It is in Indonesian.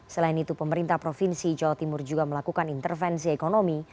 selain itu pemerintah provinsi jawa timur juga melakukan intervensi ekonomi